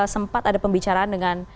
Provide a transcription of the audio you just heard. sempat ada pembicaraan dengan